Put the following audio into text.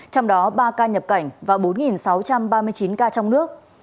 trong đó ba ca nhập cảnh và bốn sáu trăm ba mươi chín ca trong nước